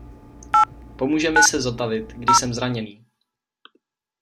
Pomůže mi se zotavit, když jsem zraněný.